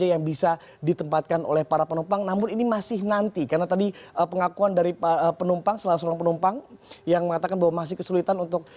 yang mengatakan bahwa masih kesulitan untuk